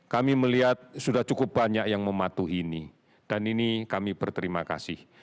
kami melihat sudah cukup banyak yang mematuhi ini dan ini kami berterima kasih